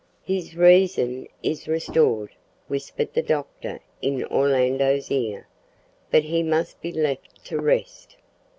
"His reason is restored," whispered the doctor in Orlando's ear, "but he must be left to rest."